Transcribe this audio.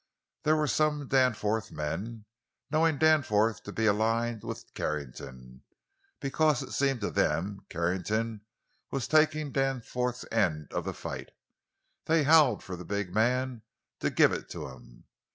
There were some Danforth men, and knowing Danforth to be aligned with Carrington—because, it seemed to them, Carrington was taking Danforth's end of the fight—they howled for the big man to "give it to him!"